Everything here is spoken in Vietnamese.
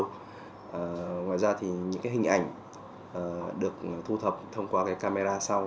ngoài ra thì những cái hình ảnh được thu thập thông qua cái camera sau